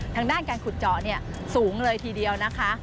ทางด้านการขุดเจาะสูงเลยทีเดียวนะคะ